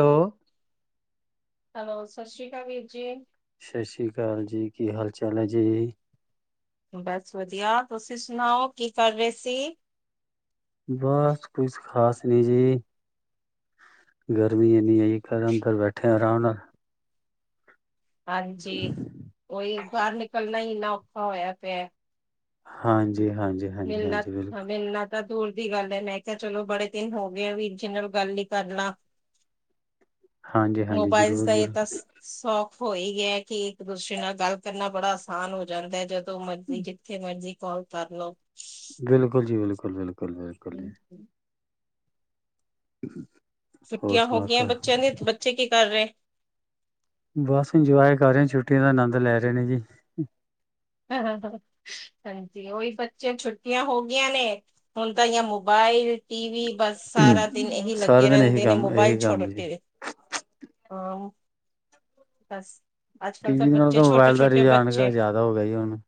Hello hello, Sat Sri ਅਕਾਲ ਵੀਰ ਜੀ। ਸਤਿ ਸ਼੍ਰੀ ਅਕਾਲ ਜੀ, ਕੀ ਹਾਲ ਚਾਲ ਹੈ ਜੀ? ਬਸ ਵਧੀਆ, ਤੁਸੀਂ ਸੁਣਾਓ ਕੀ ਕਰ ਰਹੇ ਸੀ? ਬਸ, ਕੁਛ ਖ਼ਾਸ ਨਈ ਜੀ। ਗਰਮੀ ਇੰਨੀ ਐ ਈ ਜੀ, ਘਰ ਅੰਦਰ ਬੈਠੇ ਆਰਾਮ ਨਾਲ ਹਾਂਜੀ, ਉਹੀ ਬਾਹਰ ਨਿਕਲਣਾ ਹੀ ਇੰਨਾ, ਔਖਾ ਹੋਇਆ ਪਿਆ ਹਾਂਜੀ ਹਾਂਜੀ ਹਾਂਜੀ ਮਿਲਨਾ ਹਾਂਜੀ ਹਾਂ ਬਿਲਕੁਲ ਮਿਲਨਾ ਤਾਂ ਦੂਰ ਦੀ ਗੱਲ ਹੈ, ਮੈਂ ਕਿਹਾ ਚਲੋ ਬੜੇ ਦਿਨ ਹੋ ਗਏ ਵੀਰ ਜੀ ਨਾਲ, ਗੱਲ ਹੀ ਕਰਲਾਂ ਹਾਂਜੀ ਹਾਂਜੀ ਮੋਬਾਈਲਸ ਜ਼ਰੂਰ ਦਾ, ਇਹ ਜ਼ਰੂਰ ਦਸ, ਸੌਖ ਹੋ ਹੀ ਗਿਆ ਕਿ, ਇੱਕ- ਦੂਸਰੇ ਨਾਲ ਗੱਲ ਕਰਨਾ ਬੜਾ, ਆਸਾਨ ਹੋ ਜਾਂਦਾ ਜਦੋਂ ਜਦੋ ਮਰਜੀ, ਜਿੱਥੇ ਮਰਜੀ ਕਾਲ ਕਰਲੋ ਬਿਲਕੁਲ ਜੀ, ਬਿਲਕੁਲ, ਬਿਲਕੁਲ, ਬਿਲਕੁਲ ਜੀ ਹਮ। ਹਮ [inaudible] ਛੁੱਟੀਆਂ, ਹੋ ਗਈਆਂ ਬੱਚਿਆਂ ਦੀ, ਬੱਚੇ ਕੀ ਕਰ ਰਹੇ ਬਸ ਇੰਜੋਏ ਕਰ ਰਹੇ ਐ, ਛੁੱਟੀਆਂ ਦਾ ਆਨੰਦ ਲੈ ਰਹੇ ਨੇ ਜੀ ਹਾਂ, ਹਾਂ-ਹਾਂ ਹਾਂਜੀ, ਉਹੀ ਬੱਚਿਆਂ ਛੁੱਟੀਆਂ ਹੋ ਗਈਆਂ ਨੇ, ਹੁਣ ਤਾਂ ਯ ਮੋਬਾਇਲ, ਟੀ ਵੀ ਬਸ ਸਾਰਾ ਦਿਨ, ਇਹੀ ਸਾਰਾ ਲੱਗੇ ਦਿਨ ਇਹੀ ਰਹਿੰਦੇ ਨੇ ਕੰਮ ਮੋਬਾਇਲ ਇਹੀ ਛੋਡ ਕੰਮ ਜੀ ਤੇ ਹਾਂ। ਬਸ। ਟੀ ਕੱਲ੍ਹ ਵੀ ਦੇ ਨਾਲ ਬੱਚੇ ਤਾਂ ਛੋਟੇ ਮੋਬਾਇਲ ਦਾ ਛੋਟੇ ਰਿਜ਼ ਆਣ, ਬੱਚੇ ਜ਼ਿਆਦਾ ਹੋ ਗਿਆ ਜੀ ਹੁਣ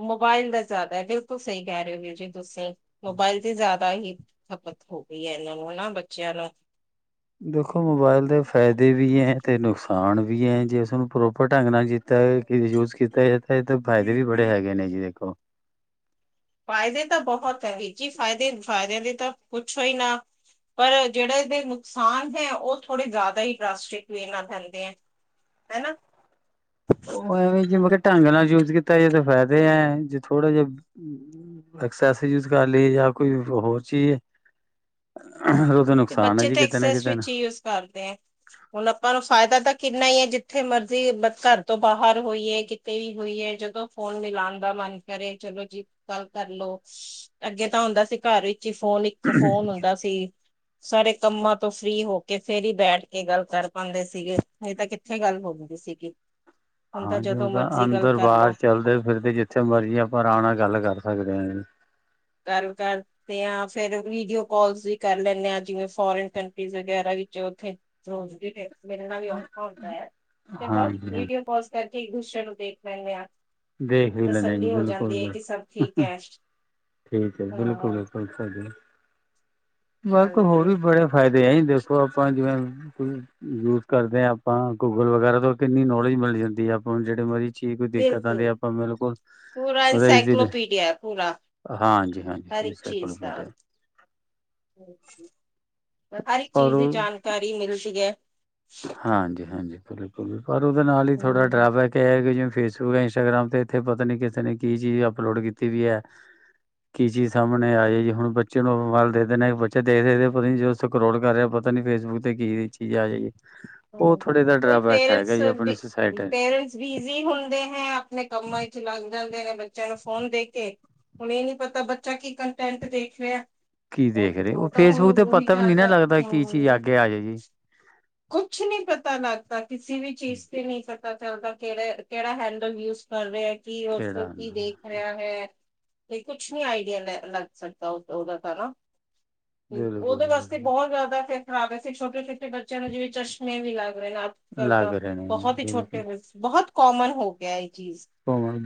ਮੋਬਾਇਲ ਦਾ ਜ਼ਿਆਦਾ ਹੈ, ਬਿਲਕੁਲ ਸਹੀ ਕਹਿ ਰਹੇ ਹੋ ਜੀ ਤੁਸੀਂ ਮੋਬਾਇਲ ਦੀ ਜ਼ਿਆਦਾ ਹੀ, ਖਪਤ ਹੋ ਗਈ ਹੈ, ਇਹਨਾਂ ਨੂੰ ਹਨ ਬੱਚਿਆਂ ਦਾ ਦੇਖੋ, ਮੋਬਾਇਲ ਦੇ ਫਾਇਦੇ ਵੀ ਹੈ, ਤੇ ਨੁਕਸਾਨ ਵੀ ਹੈ, ਜੇ ਉਸਨੂੰ ਪ੍ਰੋਪਰ ਢੰਗ ਨਾਲ ਜਿੱ ਤਾਂ ਕਿਤੇ ਯੂਜ ਕੀਤਾ ਜਾਦਾ ਇਹ ਤਾਂ ਫ਼ਾਇਦੇ ਵੀ, ਬੜੇ ਹੈਗੇ ਨੇ ਜੀ ਦੇਖੋ ਫਾਇਦੇ, ਤਾਂ ਬਹੁਤ ਹੈ ਵੀ ਜੀ, ਫਾਇਦੇ -ਫਾਇਦੇਿਆਂ ਦੇ, ਤਾਂ ਕੁੱਛੋ ਹੀ ਨਾ ਪਰ ਜਿਹੜੇ, ਇਹਦੇ ਨੁਕਸਾਨ ਹੈ ਉਹ ਥੋੜੇ ਜ਼ਿਆਦਾ ਹੀ, ਰਾਸਟਿਕ ਵ ਨਾਲ ਪੈਦੇ ਐ ਹੈਨਾ ਉਹ ਐਵੇਂ, ਜਿਵੇਂ ਢੰਗ ਨਾਲ ਯੂਜ ਕੀਤਾ ਜਾਂਏ ਤਾਂ ਫਾਇਦੇ ਆ ਜੇ ਥੋੜੇ ਜਿਹੇ ਐਕਸੈਸ, ਯੂਜ ਕਰ ਲਈਏ, ਜਾਂ ਕੋਈ ਹੋਰ ਚੀਜ਼ ਤੇ ਨੁਕਸਾਨ ਹੈ ਬੱਚੇ ਜੀ ਤਾਂ ਕਿਤੇ ਨਾ ਐਕਸੈਸ ਕਿਤੇ ਨਾ ਵਿਚ, ਹੀ ਯੂਜ ਕਰਦੇ ਆ ਹੁਨ ਆਪਾਂ ਨੂੰ, ਫਾਏਦਾ ਤਾਂ ਕਿੰਨਾ ਈ ਐ, ਜਿੱਥੇ ਮਰਜੀ ਘਰ ਤੋਂ ਬਾਰ ਹੋਈਏ। ਕਿਤੇ ਵੀ ਹੋਈਐ ਜਦੋਂ ਫੋਨ ਮਿਲਾਨ ਦਾ ਮਨ ਕਰੇ ਚਲੋ ਜੀ ਗੱਲ ਕਰਲੋ। ਅੱਗੇ ਤਾਂ ਹੁੰਦਾ ਸੀ, ਘਰ ਵਿੱਚ ਈ ਫੋਨ, ਇੱਕ ਫੋਨ ਹੁੰਦਾ ਸੀ। ਸਾਰੇ ਕੰਮਾਂ ਤੋਂ ਫ੍ਰੀ ਹੋ ਕੇ, ਫੇਰ ਈ ਬੈਠ ਕੇ ਗੱਲ ਕਰ ਪਾਂਦੇ ਸੀਗੇ, ਨਈਂ ਤਾਂ ਕਿੱ ਥੇ, ਗੱਲ ਹੋੰਦੀ ਸੀਗੀ। ਹੁਣ ਹਾਂਜੀ, ਜਦੋਂ ਹੁਨ ਤਾਂ ਮਰਜ਼ੀ ਗੱਲ ਅੰਦਰ- ਕਰਲੋ ਬਾਰ, ਚਲਦੇ -ਫਿਰਦੇ ਜਿੱਥੇ ਮਰਜੀ ਆਪਾਂ ਰਾਮ ਨਾਲ ਗੱਲ ਕਰ ਸਕਦੇ ਆਂ। ਘਰੋਂ, ਘਾਰ ਤੇ, ਆ ਫੇਰ ਵੀਡੀਓ ਕਾੱਲਸ ਵੀ ਕਰ ਲੈਂਨੇ ਆਂ, ਜਿਵੇਂ ਫੋਰਨ ਕੰਟਰੀਸ ਵਗੈਰਾ ਵਿੱਚ ਓਥੇ [unintelligible] ਮੇਰੇ ਨਾਲ ਵੀ, ਔਖਾ ਹੁੰਦਾ ਐ ਤੇ ਬਸ ਹਾਂਜੀ ਹਾਂ ਵੀਡੀਓ ਕੋੱਲਸ ਕਰਕੇ ਇੱਕ ਦੂਸਰੇ ਨੂੰ ਦੇਖ ਲੈਂਨੇ ਆਂ। ਦੇਖ ਈ ਲੈਂਨੇ, ਠੀਕ ਬਿਲਕੁਲ-ਬਿਲਕੁਲ। ਹੈ ਠੀਕ ਐ ਹਾਂ ਬਿਲਕੁਲ [unintelligible] [unintelligible] ਹਾਂਜੀ ਹੋਰ ਵੀ ਬੜੇ ਫਾਏਦੇ ਆਂ ਦੇਖੋ ਆਪਾਂ ਜਿਵੇਂ ਯੂਜ ਕਰਦੇ ਆਂ ਆਪਾਂ, ਗੂਗਲ ਵਗੈਰਾ ਤੋਂ ਕਿੰਨੀ ਨੋਲੇਜ ਮਿਲ ਜਾਂਦੀ ਐ ਆਪਾਂ ਨੂੰ ਜੇਹੜੇ ਮਰਜ਼ੀ ਚੀਜ਼ ਦਿੱਕਤ ਆਂਦੀ ਐ ਬਿਲਕੁਲ ਆਪਾਂ ਬਿਲਕੁਲ ਪੂਰਾ [unintelligible] ਇਨਸਾਈਕਲੋਪੀਡੀਆ ਹੈ ਪੂਰਾ ਹਾਂਜੀ- ਹਾਂਜੀ, ਹਰ ਹਾਂਜੀ ਇੱਕ ਬਿਲਕੁਲ ਚੀਜ਼ ਦਾ ਬੇਟੇ ਹਰ ਇੱਕ ਔਰ ਚੀਜ਼ ਦੀ ਜਾਨਕਾਰੀ ਮਿਲਦੀ ਐ। ਹਾਂਜੀ-ਹਾਂਜੀ ਬਿਲਕੁਲ ਪਰ ਓਦੇ ਨਾਲ ਈ ਥੋੜਾ ਡਰਾਬੈਕ ਕੀ ਐ ਜਿਵੇਂ ਫੇਸਬੁੱਕ, ਇੰਸਟਾਗ੍ਰਾਮ ਤੇ ਏਥੇ ਪਤਾ ਨੀ ਕਿਸੇ ਨੇ ਕੀ ਚੀਜ਼ ਅਪਲੋਡ ਕੀਤੀ ਵੀ ਐ। ਕੀ ਚੀਜ਼ ਸਾਮਨੇ ਆ ਜਾਏ ਜੀ ਹੁਨ ਬੱਚੇ ਨੂੰ ਮੋਬਾਈਲ ਦੇ ਦਿੰਨੇ [unintelligible] ਸਕਰੋਲ ਕਰ ਰੇਆ, ਪਤਾ ਨੀਂ ਫੇਸਬੁੱਕ ਤੇ ਕੇੜੀ ਚੀਜ ਆ ਜਾਏ। ਓ ਹੂੰ, ਥੋੜੇ ਜੋਆ ਡਰਾ ਉਹੀ ਬੈਕ ਹੈਗਾ ਪੇਰੈਂਟਸ ਜੀ, ਵੀ ਆਪਨੀ ਸੁਸਾਏਟੀ ਪੇਰੈਂਟਸ ਬਿਜ਼ੀ ਹੁੰਦੇ ਹੈ, ਆਪਨੇ ਕੰਮਾਂ ਵਿੱਚ ਲੱਗ ਜਾਂਦੇ ਨੇ, ਬੱਚੇਆਂ ਨੂੰ ਫੋਨ ਦੇ ਕੇ। ਹੁਨ ਏ ਨੀਂ ਪਤਾ ਬੱਚਾ ਕੀ ਕੰਟੈਕਟ ਦੇਖ ਰੇਆ। ਕੀ, ਦੇਖ ਰਏ, ਓ ਫੇਸਬੁੱਕ ਤੇ ਪਤਾ ਵੀ ਨੀਂ ਨਾ ਜਾਣਦਾ ਲੱਗਦਾ ਕੀ ਚੀਜ ਹਾਂ ਆਗੇ ਆ ਜੇ ਜੀ। ਕੁਛ ਨੀਂ ਪਤਾ ਲੱਗਦਾ, ਕਿਸੀ ਵੀ ਚੀਜ਼ ਤੇ ਨੀਂ ਪਤਾ ਚੱਲਦਾ ਕੇਹੜੇ, ਕੇਹੜਾ ਹੈਂਡਲ ਯੂਸ ਕਰ ਰੇਆ, ਕਿ ਓਸ ਕਿਹੜਾ ਕੀ ਦੇਖ ਹੈ, ਤੇ ਕੁਛ ਨਈਂ ਆਈਡੀਆ ਲੈ ਲੱਗ ਸਕਦਾ, ਓਦਾ ਤਾਂ ਨਾ ਬਿਲਕੁਲ ਓਦੇ ਜੀ ਵਾਸਤੇ ਬਿਲਕੁਲ ਬਹੁਤ ਜਾਦਾ ਫੇ ਖਰਾਬ ਐ ਛੋਟੇ- ਛੋਟੇ ਬੱਚੇਆਂ ਨੂੰ ਜਿਵੇਂ ਚਸ਼ਮੇ ਵੀ ਲੱਗ ਰੇ ਆ ਲੱਗ ਤਾਂ ਰਹੇ ਨੇ ਜੀ ਬਹੁਤ ਹੀ ਛੋਟੇ ਬਿਲਕੁਲ ਬ ਸਿ ਬਹੁਤ ਕੋਮਨ ਹੋ ਗੇਆ ਏਹ ਚੀਜ਼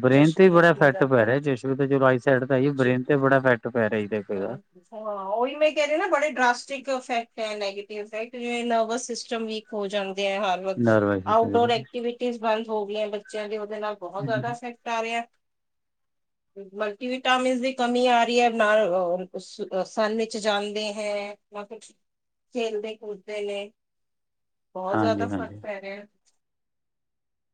ਬਰੇਨ ਤੇ ਚਸ਼ਮੇ ਈ, ਬੜਾ ਚਸ਼ਮੇ ਅਫੈਕਟ ਦਾ ਪੈ ਤਾਂ ਨਾ ਰੇਆ, ਚਸ਼ਮੇ ਤੇ ਚਲੋ ਆਈਸੈਡ ਤਾਂ ਹੈਈ ਈ। ਜੀ ਬ੍ਰੇਨ ਤੇ ਬੜਾ ਆਫੈਕਟ ਪੈ ਰੇਅ ਜੀ ਤੇ ਹਾਂ ਫੇਰ ਹਾਂ, ਓਈ ਮੈ ਕੇਹ ਰਏ ਨਾ, ਬੜੇ ਡਰਾਸਟਿਕ ਅਫੈਕਟ ਐ ਨੈਗੇਟਵ ਅਫੈਕਟ ਜਿਵੇਂ ਸਿਸਟਮ ਵੀਕ ਹੋ ਜਾਂਦੇ ਹਰ ਰੋਜ਼, ਨਰਵ ਆਊਟਡੋਰ ਐਕਟਿਵ ਸ, ਬੰਦ ਹੋ ਗਈਆਂ ਬੱਚੇਆਂ ਦੇ ਓਦੇ ਨਾਲ ਬਹੁਤ ਜਾਦਾ ਅਫੈਕਟ ਆ ਰੇਆਂ ਮਲਟੀਵਿਟਾਮਿਨ ਦੀ ਕਮੀ ਆ ਰਈ ਐ। ਨਾਲ ਸਨ ਵਿੱਚ ਜਾਂਦੇ ਹੈ ਖੇਲਦੇ- ਕੂਦਦੇ ਨੇ ਬੌਤ ਜਾਦਾ ਹਾਂਜੀ ਫ਼ਰਕ ਹਾਂਜੀ ਪੈ ਰੇਆ।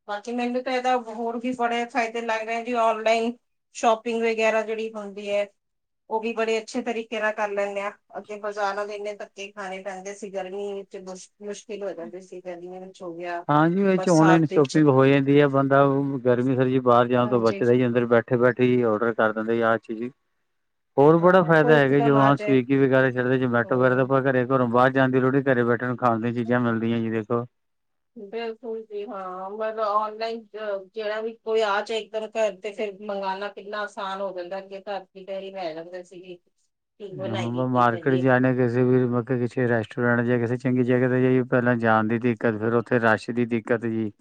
ਬਾਕੀ ਮੈਨੂੰ ਤਾਂ ਇਦਾ ਹੋਰ ਵੀ ਬੜੇ ਫਾਈਦੇ ਲੱਗ ਰੇ ਐਂ ਜੀ ਓਨਲਾਈਨ। ਸ਼ੋਪਿੰਗ ਵਗੈਰਾ ਜੇਹੜੀ ਹੁੰਦੀ ਐ ਓ ਵੀ ਬੜੇ ਅੱਛੇ ਤਰੀਕੇ ਨਾਲ ਕਰ ਲੈਂਨੇ ਆ। ਤੇ ਬਜਾਰਾਂ ਇੰਨੇ ਧੱਕੇ ਖਾਣੇ ਪੈਂਦੇ ਸੀ। ਗਰਮੀ ਵਿੱਚ ਮੁਸ਼ ਮੁਸ਼ਕਲ ਹੋ ਜਾਂਦੀ ਸੀ। ਗਰਮੀਆਂ ਵਿੱਚ ਹੋ ਗਿਆ ਹਾਂਜੀ ਵਿੱਚ ' ਓਨਲਾਈਨ ਬਰਸਾਤ ਵਿੱਚ ਸ਼ੋਪਿੰਗ ਹੋ ਜਾਂਦੀ ਐ। ਬੰਦਾ ਗਰਮੀ, ਸਰਦੀ ਬਾਰ ਜਾਣ ਤੋਂ ਹਾਂਜੀ ਬਚਦਾ ਅੰਦਰ ਬੈ ਬੈਠੇ -ਬੈਠੇ ਈ, ਔਰਡਰ ਕਰ ਦੇਂਦੇ ਆ ਚੀਜ ਹੋਰ ਬੜਾ ਹਾਂ ਫਾਏਦਾ ਕੋਈ ਹੈਗਾ ਜੋ ਇਕਦਮ ਆ ਜਵਾਕ ਜਾਏ ਸਵੀਗੀ ਵਗੈਰਾ ਚੜਦੇ ਜਮੈਟੋ ਵਗੈਰਾ ਹਮ ਆਪਾਂ ਘਰੇ ਘਰੋਂ ਬਾਰ ਜਾ ਦੀ ਲੋੜ ਨੀਂ, ਘਰੇ ਬੈਠਣ ਨੂੰ ਖਾਣ ਦੀਆਂ ਚੀਜ਼ਾਂ ਮਿਲਦੀਆਂ ਜੀ ਦੇਖੋ। ਬਿਲਕੁਲ ਜੀ ਹਾਂ ਮਤਲ ਓਨਲਾਈਨ ਜੇਹੜਾ ਵੀ ਕੋਈ ਆ ਚੇ ਇੱਕਦਮ ਕਰ ਤੇ ਫੇਰ ਮੰਗਵਾਉਣਾ। ਕਿੰਨਾ ਆਸਾਨ ਹੋ ਜਾਂਦਾ ਕਿ ਘਰ ਤੀ ਤੇ ਹੀ ਲੈ ਜਾਂਦੇ ਸੀਗੇ ਕੀ ਹੁਨ ਮੈਂ ਬਣਾਈਏ ਕੀ ਮਾਰਕੀਟ ਕਰੀਏ ਜਾਨੈ ਕਿਸੀ ਵੀ ਕੀਮਤ ਵਿਚ। ਰੈਸਟੋਰੈਂਟ ਜਾਂ ਕਿਸੇ ਚੰਗੀ ਜਗ੍ਹਾ ਤੇ ਜਾਇਏ, ਪੈਲਾਂ ਜਾਨ ਦੀ ਦਿੱਕਤ ਫੇਰ ਉੱਥੇ ਰਾਸ਼ ਦੀ ਦਿੱਕਤ ਜੀ।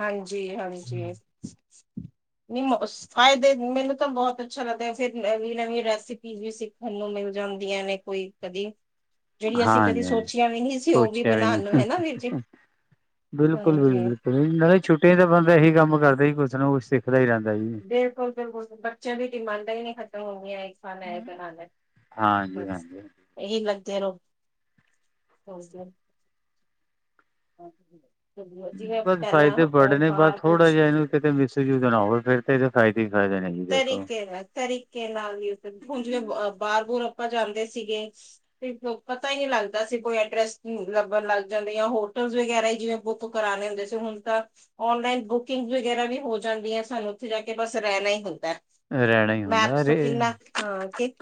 ਹਾਂਜੀ-ਹਾਂਜੀ ਨਈ ਫਾਇਦੇ, ਮੈਨੂੰ ਤਾਂ ਬੋਤ ਅੱਛਾ ਲੱਗਦਾ ਫੇਰ ਨਵੀਂ-ਨਵੀਂ ਰੈਸਿਪੀ ਵੀ ਸਿੱਖਣ ਨੂੰ ਮਿਲ ਜਾਂਦੀਆਂ ਨੇ ਕੋਈ ਕਦੀ ਜੇੜੀ ਅਸੀਂ ਕਦੀ ਹਾਂਜੀ ਹਾਂਜੀ ਸੋਚੀਆਂ ਵੀ ਨੀ ਸੀ ਉ ਵੀ ਬਨਾਨ ਨੂੰ, ਹੇਨਾ ਵੀਰ ਜੀ। ਹਾਂਜੀ। ਬਿਲਕੁਲ-ਬਿਲਕੁੁਲ ਨਾਲੇ ਛੁੱਟੀਆਂ ਚ ਬੰਦਾ ਐਹੀ ਕੰਮ ਕਰਦਾ ਸੀ ਕੁਛ ਨੂੰ ਕੁਛ ਸਿੱਖਦਾ ਈ ਰੈਂਦਾ ਸੀ। ਬਿਲਕੁਲ-ਬਿਲਕੁਲ ਬੱਚਿਆਂ ਦੀ ਡਿਮਾਂਡਾਂ ਈ ਨੀ ਖਤਮ ਹੁੰਦਿਆ ਹੈਗੀ। ਖਾਨੈ ਏ ਬਨਾਨਾ ਏ ਹਾਂਜੀ ਬਸ। ਹਾਂਜੀ ਏਹੀ ਲੱਗਦੇ ਰੋ, ਰੋਜ ਦਾ। ਹਾਂਜੀ। ਬਸ ਫਾਇਦੇ ਬੜੇ ਨੇ ਬਸ ਬਾਹਰ ਥੋੜਾ ਕੁਛ ਜਿਆ ਇਨੂੰ ਕਿਤੇ ਮਿਸਯੂਜ ਨਾ ਹੋਵੇ ਫੇਰ ਤਾਂ ਇਦੇ ਫਾਇਦੇ ਈ ਫਾਇਦੇ ਨੇ। ਜੀ ਦੇਖੋ। ਤਰੀਕੇ ਨਾਲ-ਤਰੀਕੇ ਨਾਲ ਯੁਜ਼, ਹੁਨ ਜਿਵੇ ਬਾਰ ਬੂਰ ਆਪਾ ਜਾਦੇ ਸੀਗੇ- ਤੇ ਪਤਾ ਈ ਨੀ ਲਗਦਾ ਸੀ ਕੋਈ ਐਡਰੈਸ ਲਭਣ ਲਗ ਜਾਦੇ ਯਾਂ ਹੋਟਲ ਵਗੈਰਾ ਜਿਵੇ- ਬੁੱਕ ਕਰਾਨੇ ਹੁੰਦੇ ਸੀ ਹੁਨ ਤਾਂ ਔਨਲਾਈਨ ਬੁਕਿੰਗ ਵਗੈਰਾ ਵੀ ਹੋ ਜਾਦੀ ਏਂ, ਸਾਨੂੰ ਉੱਥੇ ਜਾ ਕੇ ਬਸ ਰੈਨਾ ਈ ਹੁੰਦੈ। ਰਹਿਣਾ ਹੀ ਹੁੰਦਾ ਮੈਂਪਸ ਰੇ ਕਿਨਾ, ਹਾਂ ਕਿ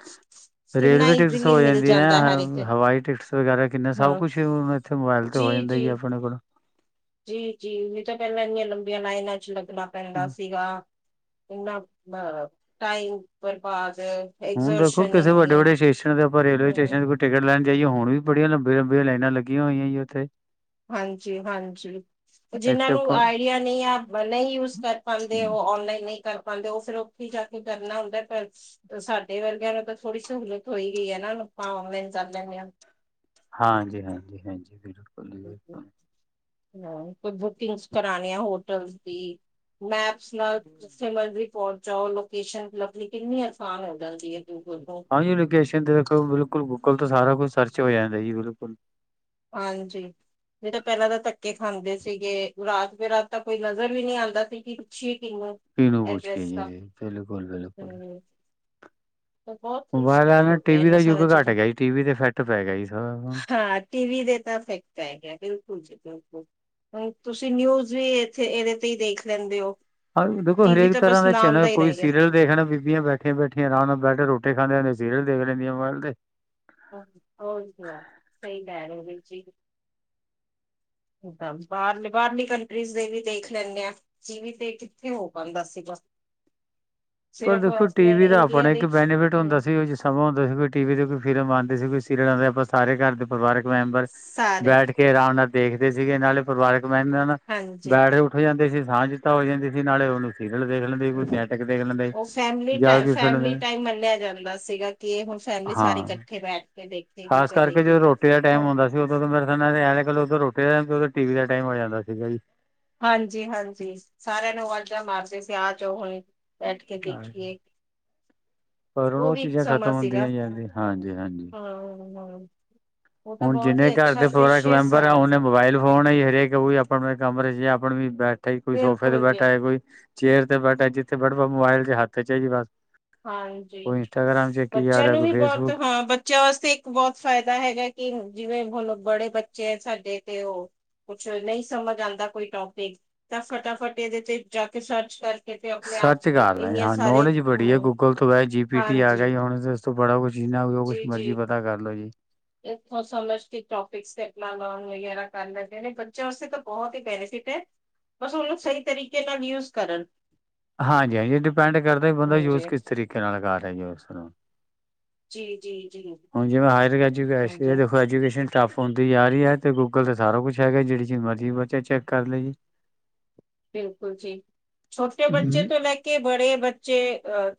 ਕਿੰਨਾ ਰੇਲਵੇ ਟਿਕਟਸ ਈਜ਼ੀਲੀ ਹੋ ਮਿਲ ਜਾਂਦਾ ਹਰ ਇੱਕ ਜਾਦੀਆਂ, ਹਵਾਈ ਟਿਕਟਸ ਵਗੈਰਾ ਕਿਨਾ ਸਭ ਹਾਂ ਕੁਛ ਇਥੇ ਮੋਬਾਇਲ 'ਤੇ ਹੋ ਜਾਦਾ ਜੀ ਆਪਣੇ ਕੋਲ। ਜੀ-ਜੀ ਨਈ ਤਾਂ ਪੈਲਾ ਇਨੀਆਂ ਲੰਬੀਆਂ ਲਾਈਨਾ 'ਚ ਲਗਨਾ ਪੈਂਦਾ ਸੀਗਾ। ਇਨਾ ਬ ਟਾਈਮ ਬਰਬਾਦ ਹੁਨ ਦੇਖੋ ਐਗਜ਼ਰਸ਼ਨ ਕਿਸੇ ਵੱਡੇ- ਇੰਨੀ ਵੱਡੇ ਸਟੇਸ਼ਨ ਤੇ ਆਪਾ ਰੇਲਵੇ ਹੂੰ ਸਟੇਸ਼ਨ ਟਿਕਟ ਲੈਨ ਜਾਈਏ ਹੁਨ ਵੀ ਬੜੀਆਂ ਲੰਬੀਆਂ- ਲੰਬੀਆਂ ਲਾਈਨਾ ਲੱਗੀਆਂ ਹੋਈਆਂ ਜੀ ਉਥੇ। ਹਾਂਜੀ-ਹਾਂਜੀ। ਜਿਨਾ ਇੱਥੇ ਨੂੰ ਆਪਾਂ ਆਈਡੀਆ ਨਈ ਆ ਨਈ ਯੂਜ ਕਰ ਪਾਂਦੇ ਉਹ ਔਨਲਾਈਨ ਨਈ ਕਰ ਪਾਂਦੇ ਉ ਫੇਰ ਉਥੇ ਜਾ ਕੇ ਕਰਨਾ ਹੁੰਦੈ ਪਰ ਸਾਡੇ ਵਰਗਿਆਂ ਨੂੰ ਤਾਂ ਥੋੜੀ ਸਹੂਲਤ ਹੋਈ ਗਈ ਏ ਨਾ ਆਪਾ ਔਨਲਾਈਨ ਕਰ ਲੈਦੇ ਹਾਂ। ਹਾਂਜੀ-ਹਾਂਜੀ-ਹਾਂਜੀ ਬਿਲ ਹਾਂ ਕੋਈ ਬੁਕਿੰਗਸ ਕਰਾਨੇ ਆ ਹੋਟਲਸ ਦੀ ਮੈਪ- ਉਸ ਨਾਲ ਜਿਥੇ ਮਰਜ਼ੀ ਪੋਂਚ ਜਾਓ, ਲੋਕੇਸ਼ਨ ਲਬਨੀ ਕਿਨੀ ਆਸਾਨ ਹੋ ਜਾਦੀ ਏ ਦੂਰ ਤੋ। ਹਾਂਜੀ ਲੋਕੇਸ਼ਨ ਤੇ ਦੇਖੋ ਬਿਲਕੁਲ ਗੂਗਲ ਤੋ ਸਾਰਾ ਕੁਛ ਸਰਚ ਹੋ ਜਾਂਦਾ ਜੀ ਬਿਲਕੁਲ। ਹਾਂਜੀ। ਨਈ ਤੇ ਪੈਲਾਂ ਤਾਂ ਧੱਕੇ ਖਾਂਦੇ ਸੀਗੇ, ਰਾਤ ਬੇ ਰਾਤ ਤਾਂ ਕੋਈ ਨਜਰ ਵੀ ਨੀ ਆਂਦਾ ਸੀ ਕਿ ਪੁੱਛੀਏ ਕਿਨੂੰ। ਕਿਨੂੰ ਪੁੱਛ ਕੇ ਐਡਰੈਸ ਆਈਏ ਦਾ ਜੀ ਬਿਲਕੁਲ-ਬਿਲਕੁਲ। ਹੂੰ। ਬਹੁਤ ਕੁਛ ਮੋਬਾਇਲ ਆਨ ਸੋਚ ਹੋ ਨਾਲ ਗਿਆ ਟੀ ਵੀ ਦਾ ਇਹਨਾਂ ਯੁੱਗ ਸਾਰਾ ਘੱਟ ਚੀਜ਼ਾਂ ਗਿਆ ਜੀ, ਟੀ ਤੇ ਇਫੈਕਟ ਪੈ ਗਿਆ ਸਾਰਾ ਹੁਨ। ਟੀ ਵੀ ਦੇ ਤਾਂ ਫੈਕਟ ਪੈਗਿਆ ਬਿਲਕੁਲ ਜੀ ਬਿ ਲਕੁਲ, ਤੁਸੀ ਨਿਊਜ ਵੀ ਏਥੇ ਏਦੇ ਤੇ ਈ ਦੇਖ ਲੈਂਦੇ ਉ। ਹਾਂ ਦੇਖੋ ਹਰੇਕ ਤਰ੍ਹਾਂ ਦਾ ਚੈਨਲ ਕੋਈ ਗਿਆ ਸੀਰੀਅਲ ਦੇਖਨਾ ਬੀਬੀਆਂ ਬੈਠੀਆਂ- ਬੈਠੀਆਂ ਅਰਾਮ ਨਾਲ ਬੈਠ ਕੇ ਰੋਟੀ ਖਾਂਦੇ-ਖਾਂਦੇ ਹੁੰਦੇ ਸੀਰੀਲ ਦੇਖ ਲੈਦੀਆਂ ਮੋਬਾਇਲ ਤੇ। ਹੋਰ ਕਿਆ ਸਈ ਕੈ ਰਏ ੳ ਵੀਰ ਜੀ। ਦ ਬਾਰਲੇ ਬਾਰਲੀ ਕੰਟਰੀਜ਼ ਦੇ ਵੀ ਦੇਖ ਲੈਨੇ ਆ। ਟੀ ਵੀ ਤੇ ਕਿੱਥੇ ਹੋ ਪਾਂਦਾ ਸੀਗਾ। ਪਰ ਸਿਰਫ ਦੇਖੋ ਟੀ ਆਪਣੇ ਵੀ ਦਾ ਇੰਡੀਆ ਆਪਣਾ ਇਕ ਦੇ ਬੈਨੀਫਿਟ ਹੁੰਦਾ ਹਮ ਸੀ ਉ ਜਿ- ਸਮਾਂ ਹੂਂਦਾ ਸੀ। ਕੋਈ ਟੀ ਵੀ ਕੋਈ ਫਿਲਮ ਆਂਦੀ ਸੀ, ਸੀਰੀਅਲ ਆਦੇ ਆਪਾ ਸਾਰੇ ਘਰ ਦੇ ਪਰਿਵਾਰਕ ਮੈਬਰ ਸਾਰੇ ਬੈਠ ਕੇ ਆਰਾਮ ਨਾਲ ਦੇਖਦੇ ਸੀਗੇ ਨਾਲੇ ਪਰਿਵਾਰਕ ਮੈਬਰਾ ਨਾਲ ਹਾਂਜੀ ਬੈਠ ਕੇ- ਉਠ ਜਾਦੇ ਸੀ ਸਾਂਝਤਾ ਹੋ ਜਾਦੀ ਸੀ ਨਾਲੇ ਉਹਨੂੰ ਸੀਰੀਅਲ ਦੇਖ ਲੈਂਦੇ ਈ ਕੋਈ ਨਾਟਕ ਦੇਖ ਲੈਦਾ ਈ। ਫੈਮਲੀ ਟੈ ਫੈਮਿਲੀ ਟੈਮ ਮੰਨਿਆ ਜਾਂਦਾ ਸੀਗਾ ਕਿ ਹੁਣ ਫੈਮਿਲੀ ਸਾਰੇ ਹਾਂ। ਕਠੇ ਬੈਂਣ ਖਾਸ ਕਰਕੇ ਜਦੋ ਰੋਟੀ ਦਾ ਟੈਮ ਹੁੰਦਾ। ਉਦੋ ਮੇਰੇ ਸਮੇ ਉਧਰ ਰੋਟੀ ਦਾ ਟੈਮ ਤੇ ਉਧਰ ਟੀ ਵੀ ਦਾ ਟੈਮ ਹੋ ਜਾਦਾ ਸੀਗਾ ਜੀ। ਹਾਂਜੀ-ਹਾਂਜੀ ਸਾਰਿਆਂ ਨੂੰ ਵਾਜਾ ਮਾਰਦੇ ਸੀ ਆ ਜਾਓ ਹੁਣ ਬੈਠ ਕੇ ਜੀ। ਦੇਖੀਏ। ਪਰ ਹੁਣ ਓ ਉਹ ਵੀ ਇਕ ਚੀਜ਼ਾਂ ਖਤਮ ਸਮਾਂ ਸੀਗਾ ਹੁੰਦੀਆਂ ਜਾਂਦੀ ਹਾਂਜੀ ਹਾਂਜੀ ਹਾਂ-ਹਾਂ। ਉਹ ਤਾਂ ਹੁਣ ਬਹੁਤ ਜਿਨੇ ਹੀ ਘਰ ਦੇ ਅੱਛਾ ਪਰਿਵਾਰਕ ਪ੍ਰੇਸ਼ੀਅਸ ਮੈਂਬਰ ਆ ਸਮਾਂ ਸੀ ਉਨੇ ਮੋਬਾਇਲ ਫੋਨ ਈ ਹਰੇਕ ਈ ਆਪਣੇ ਕਮਰੇ 'ਚ ਆਪਣੇ ਵੀ ਬੈਠਾ ਕੋਈ ਸੋਫੇ ਤੇ ਬਿਲਕੁਲ ਜੀ ਬੈਠਾ ਕੋਈ ਚੇਅਰ ਤੇ ਬੈਠਾ ਜਿਥੇ ਬੈਠ ਮੋਬਾਇਲ ਹੱਥ 'ਚ ਜੀ ਬਸ ਹਾਂਜੀ ਕੋਈ ਇੰਸਟਾਗ੍ਰਾਮ 'ਚ ਕੀ ਆ ਬੱਚਿਆਂ ਰਿਹਾ ਨੂੰ ਕੋਈ ਵੀ ਬੋਤ ਫੇਸਬੁੱਕ ਹਾਂ ਬ ਚਿਆਂ ਅਸਤੇ ਇਕ ਬੋਤ ਫਾਇਦਾ ਹੈਗਾ ਕਿ ਜਿਵੇ ਬੜੇ ਬੱਚੇ ਐ ਸਾਡੇ ਤੇ ਓ ਕੁਛ ਨਈ ਸਮਝ ਆਂਦਾ ਕੋਈ ਟੋਪਿਕ ਤਾਂ ਫਟਾਫਟ ਇਦੇ ਤੇ ਜਾ ਕੇ ਸਰਚ ਕਰ। ਕਿਤੇ ਆਪਣੇ ਆਪ ਇੰਨੇ ਸਾਰੇ ਬੜੀਆ ਹੂੰ ਗੂਗਲ ਤੋਂ ਬ ਜੀ ਪੀ ਟੀ ਆ ਗਿਆ ਹਾਂਜੀ ਜੀ ਹੁਣ ਉਸ ਤੋਂ ਬੜਾ ਕੁਝ ਇਨਾ ਕੁਛ ਮਰਜੀ ਪਤਾ ਕਰਲੋ ਜੀ। ਥ ਸਮਝਤੀ ਟੋਪਿਕਸ ਟੈਕ ਵਗੈਰਾ ਕਰਨਾ ਗੇ ਬੱਚਿਆਂ ਆਸਤੇ ਤਾਂ ਬੋਤ ਹੀ ਬੈਨੀਫਿਟ ਏ ਬਸ ਉਨੂੰ ਸਈ ਤਰੀਕੇ ਨਾਲ ਯੂਜ ਕਰਨ। ਹਾਂਜੀ-ਹਾਂਜੀ ਡਿਪੈਂਡ ਕਰਦਾ ਬੰਦਾ ਹਾਂਜੀ ਯੂਜ ਕਿਸ ਤਰੀਕੇ ਨਾਲ ਕਰ ਰਿਆ ਯੂਜ ਉਸਨੂੰ ਜੀ-ਜੀ-ਜੀ। ਹੁਣ ਜਿਵੇਂ ਹਾਇਰ ਐਜੂਕੇਸ਼ ਦੇਖੋ ਐਜੂਕੇਸ਼ਨ ਟੱਫ ਹੁੰਦੀ ਜਾ ਰਈ ਐ ਤੇ ਗੂਗਲ ਤੇ ਸਾਰਾ ਕੁਛ ਹੈਗਾ ਜੇੜੀ ਜਿ ਮਰਜ਼ੀ ਬੱਚਾ ਚੈੱਕ ਕਰ ਲੈ ਜੀ। ਬਿਲਕੁਲ ਜੀ ਛੋਟੇ ਬੱਚੇ ਹੂੰ। ਤੋਂ ਲੈ ਕੇ ਕਿ ਬੜੇ ਬੱਚੇ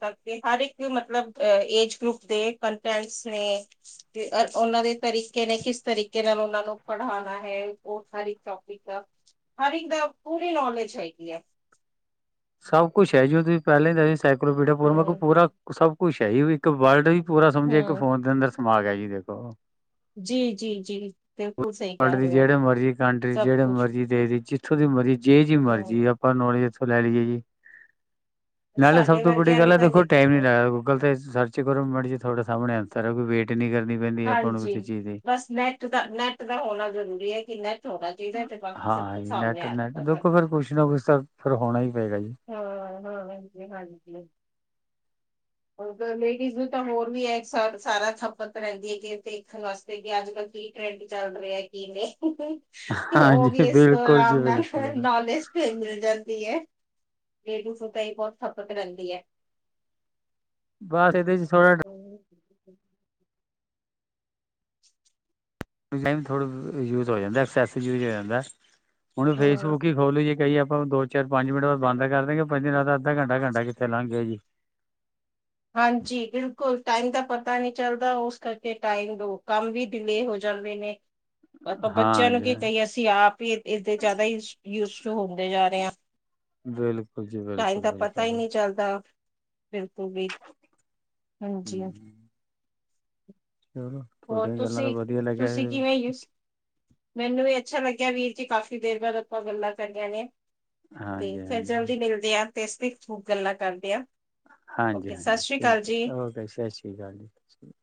ਤ ਹਰ ਇੱਕ ਮਤਲਬ ਏਜ ਗਰੁੱਪ ਦੇ ਕੰਟੈਂਟਸ ਨੇ। ਤੇ ਉਨਾਂ ਦੇ ਤਰੀਕੇ ਨੇ ਕਿਸ ਤਰੀਕੇ ਨਾਲ ਉਨਾਂ ਨੂੰ ਪੜ੍ਹਾਣਾ ਹੈ ਓ ਸਾਰੀ ਟੋਪਿਕ ਹਰ ਇੱਕ ਦਾ ਪੂਰੀ ਨੌਲੇਜ ਹੈਗੀ ਹੈ। ਸਭ ਕੁਛ ਹੈ ਜੀ ਤੁਸੀਂ ਪੈਲਾਂ ਸਾਈਕਲੋਪੀਡੀਰਾ ਮਤਲ ਹੂੰ ਪੂਰਾ ਸਭ ਕੁਛ ਹੈ ਜੀ ਇੱਕ ਵਰਲਡ ਪੂਰਾ ਸਮਝੇ ਇੱਕ ਹੂੰ ਫੋਨ ਦੇ ਅੰਦਰ ਸਮਾ ਗਿਆ ਜੀ ਦੇਖੋ ਜੀ ਜੀ ਜੀ ਬਿਲਕੁਲ ਸਹੀ ਵਰਲਡ ਕਹਿ ਦੀ ਰਹੇ ਹੋ ਜੇੜੇ ਮਰਜੀ ਕੰਟਰੀ ਸਭ ਜੇੜੇ ਕੁਛ ਮਰਜੀ ਦੇਸ਼ 'ਚ ਇੱਥੋਂ ਦੀ ਮਰਜ਼ੀ ਜੇ ਜਿ ਮਰਜ਼ੀ ਹਾਂ, ਆਪਾਂ ਨੌਲੇਜ ਇੱਥੋਂ ਲੈ ਲਈਏ ਜੀ। ਨਾਲੇ ਸਭ ਸਾਡੇ ਤੋਂ ਵੱਡੀ ਵਰਗਿਆਂ ਗੱਲ ਨੂੰ ਏ ਤਾਂ ਦੇਖੋ ਟੈਮ ਨੀ ਲੱਗਦਾ ਗੂਗਲ ਤੇ ਸਰਚ ਕਰੋ ਮਿੰਟ ਜੀ ਤੁਹਾਡੇ ਸਾਹਮਣੇ ਆ ਸਾਰਾ ਕੋਈ ਵੇਟ ਨੀ ਕਰਨੀ ਪੈਂਦੀ ਆਪਾਂ ਨੂੰ ਹਾਂਜੀ ਕਿਸੇ ਚੀਜ਼ ਦੀ ਬਸ ਨੈੱਟ ਦਾ ਨੈੱਟ ਦਾ ਹੋਣਾ ਜ਼ਰੂਰੀ ਹੈ ਕਿ ਨੈੱਟ ਹੋਣਾ ਚਾਹੀਦਾ ਤੇ ਬਾਕੀ ਸਭ ਹਾਂ ਕੁਛ ਸਾਹਮਣੇ ਆ ਨੈਟ-ਨੈਟ ਜਾਂਦਾ ਦੇਖੋ ਤੁਹਾਡੇ ਫਿਰ ਕੁਛ ਨਾ ਕੁਛ ਤਾਂ ਫਿਰ ਹੋਣਾ ਈ ਪਏਗਾ ਜੀ। ਹਾਂ-ਹਾਂ ਜੀ ਹਾਂਜੀ। ਲੇਡੀਜ਼ ਨੂੰ ਤਾਂ ਹੋਰ ਵੀ ਐ ਸ ਸਾਰਾ ਸਪਤ ਰੈਂਦੀ ਐ ਕਿ ਦੇਖਣ ਵਾਸਤੇ ਸੀਗੇ ਅੱਜ ਕੱਲ ਕੀ ਟਰੈਂਡ ਚੱਲ ਰਿਆ ਕੀ ਨਈ ਓ ਹਾਂਜੀ ਵੀ ਐਸ ਬਿਲਕੁਲ ਜੀ ਆਰਾਮ ਨਾਲ ਬਿਲਕੁਲ ਨਲੇਜ ਮਿਲ ਜਾਂਦੀ ਐ ਰੇਡੂ ਫੂ ਤਾਂ ਇਹ ਬਹੁਤ ਖਪਤ ਰੈਂਦੀ ਏ। ਬਸ ਇਦੇ 'ਚ ਥੋੜ੍ਹਾ ਹੈਲੋ ਟੈਮ ਥੋੜ੍ਹਾ ਯੂਜ ਹੋ ਜਾਂਦਾ ਐਕਸੈਸ ਯੂਜ ਹੋ ਜਾਂਦਾ। ਹੁਣ ਹਾਂ ਫੇਸਬੁੱਕ ਹੀ ਖੋਲੀ ਜੀ ਕਈ ਏ ਆਪਾਂ ਦੋ ਚਾਰ ਪੰਜ ਮਿੰਟ ਬਾਦ ਕਰ ਦੇਂਗੇ ਪੰਜ ਦਿਨਾਂ ਦਾ ਅੱਧਾ ਘੰਟਾ-ਘੰਟਾ ਕਿਥੇ ਲੰਘ ਗਿਆ ਜੀ। ਹਾਂਜੀ ਬਿਲਕੁਲ ਟਾਈਮ ਦਾ ਪਤਾ ਨਈ ਚੱਲਦਾ ਉਸ ਕਰਕੇ ਟਾਈਮ ਦੋ ਕੰਮ ਵੀ ਡਿਲੇ ਹੋ ਜਾਂਦੇ ਨੇ। [inaudible] ਆਪਾਂ ਬੱਚਿਆਂ ਨੂੰ ਹਾਂਜੀ ਕੀ ਹਾਂ ਕਹੀਏ ਅਸੀਂ ਆਪ ਹੀ ਇਸਦੇ ਜਾਦਾ ਯੂਜ ਹੁੰਦੇ ਜਾ ਰਏ ਆਂ। ਬਿਲਕੁਲ ਜੀ ਟਾਈਮ ਬਿਲਕੁਲ ਦਾ ਪਤਾ ਹੀ ਬਿਲਕੁਲ ਨਈ ਚੱਲਦਾ ਬਿਲਕੁ ਵੀ ਹਾਂਜੀ ਹਾਂ ਹੂੰ ਚਲੋ ਹੋਰ ਤੁਹਾਡੀਆਂ ਗੱਲਾਂ ਤਾਂ ਤੁਸੀਂ ਵਧੀਆ ਲੱਗਿਆ ਤੁਸੀਂ ਕਿਵੇਂ ਯੂਸ ਮੈਨੂੰ ਵੀ ਅੱਛਾ ਲੱਗਿਆ ਵੀਰ ਜੀ, ਕਾਫ਼ੀ ਦੇਰ ਬਾਅਦ ਆਪਾਂ ਗੱਲਾਂ ਕਰੀਆਂ ਨੇ ਤੇ ਹਾਂਜੀ ਫਿਰ ਹਾਂਜੀ ਜਲਦੀ ਮਿਲਦੇ ਆ, ਤੇ ਇਸ ਖੂਬ ਗੱਲਾਂ ਕਰਦੇ ਆ ਹਾਂਜੀ ਓਕੇ ਸਤਿ -ਹਾਂਜੀ ਸ੍ਰੀ ਅਕਾਲ ਜੀ ਠੀਕ ਓਕੇ ਸਤਿ ਸ਼੍ਰੀ ਅਕਾਲ ਜੀ ਸਤਿ ਸ਼੍ਰੀ ਅਕਾਲ।